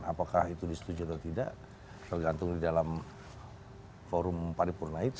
apakah itu disetujui atau tidak tergantung di dalam forum paripurna itu